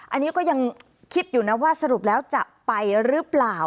อันนี้ก็ยังคิดอยู่นะว่าสรุปแล้วจะไปหรือเปล่า